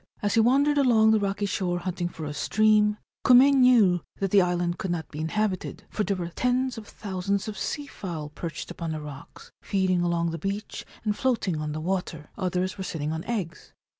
As he wandered along the rocky shore hunting for a stream, Kume knew that the island could not be inhabited, for there were tens of thousands of sea fowl perched upon the rocks, feeding along the beach and floating on the water ; others were sitting on eggs.